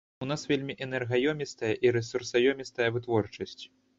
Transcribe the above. У нас вельмі энергаёмістая і рэсурсаёмістая вытворчасць.